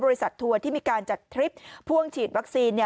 ทัวร์ที่มีการจัดทริปพ่วงฉีดวัคซีน